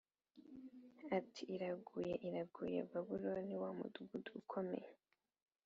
ati “Iraguye, iraguye! Babuloni wa mudugudu ukomeye,